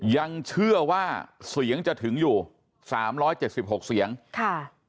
ยังเชื่อว่าเสียงจะถึงอยู่๓๗๖เสียงค่ะ